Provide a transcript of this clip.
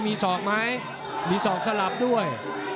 มีศอกไหมมีศอกสลับด้วย